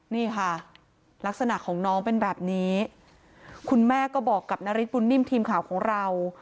นี่ค่ะลักษณะของน้องเป็นแบบนี้คุณแม่ก็บอกกับนาริสบุญนิ่มทีมข่าวของเรา